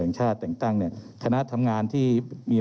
เรามีการปิดบันทึกจับกลุ่มเขาหรือหลังเกิดเหตุแล้วเนี่ย